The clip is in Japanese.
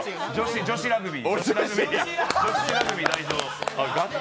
女子ラグビー代表。